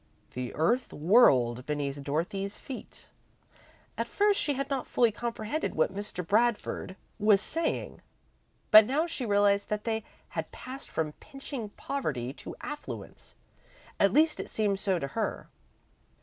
The earth whirled beneath Dorothy's feet. At first, she had not fully comprehended what Mr. Bradford was saying, but now she realised that they had passed from pinching poverty to affluence at least it seemed so to her.